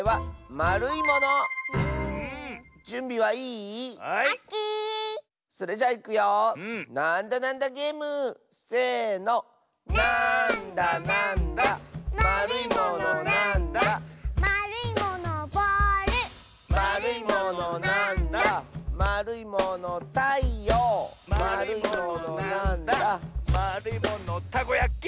「まるいものたこやき！」